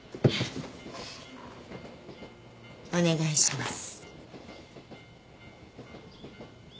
お願いします。